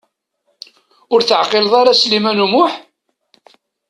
Ur teɛqileḍ ara Sliman U Muḥ?